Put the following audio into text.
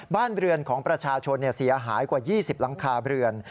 บ้านเรือนของประชาชนเสียหายกว่า๒๐หลังคาเรือน